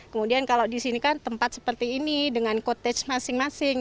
kemudian kalau di sini kan tempat seperti ini dengan contage masing masing